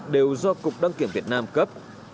đều do cục đăng kiểm việt nam cấp